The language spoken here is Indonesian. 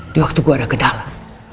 di waktu gue ada gedalah